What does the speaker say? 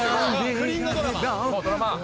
不倫のドラマ。